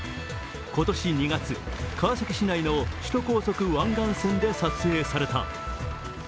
今年２月、川崎市内の首都高速湾岸線で撮影された。